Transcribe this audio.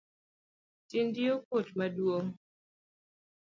Tiendi okuot maduong.